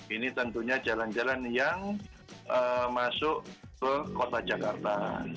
ini tentunya jalan jalan yang masuk ke kota jakarta